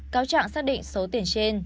cáo trạng xác định số tiền trên